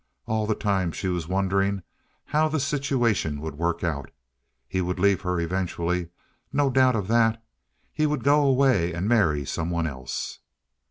All the time she was wondering how the situation would work out. He would leave her eventually—no doubt of that. He would go away and marry some one else.